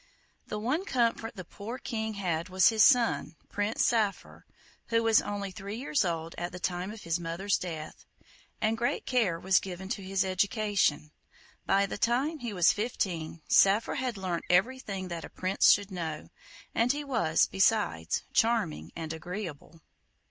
The one comfort the poor King had was his son, Prince Saphir, who was only three years old at the time of his mother's death, and great care was given to his education. By the time he was fifteen Saphir had learnt everything that a prince should know, and he was, besides, charming and agreeable.